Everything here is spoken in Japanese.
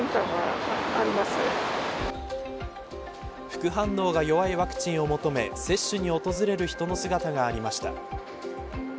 副反応が弱いワクチンを求め接種に訪れる人の姿がありました。